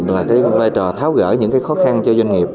là cái vai trò tháo gỡ những cái khó khăn cho doanh nghiệp